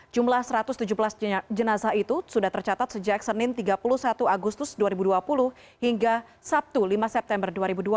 jumlah satu ratus tujuh belas jenazah itu sudah tercatat sejak senin tiga puluh satu agustus dua ribu dua puluh hingga sabtu lima september dua ribu dua puluh